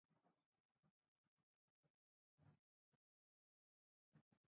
مطالعه د انسان د تخیل ځواک قوي کوي او نوښتګر یې باروي.